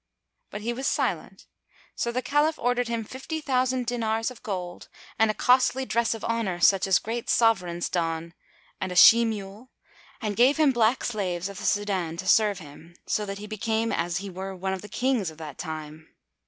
But he was silent; so the Caliph ordered him fifty thousand dinars of gold and a costly dress of honour such as great Sovrans don, and a she mule, and gave him black slaves of the Súdán to serve him, so that he became as he were one of the Kings of that time.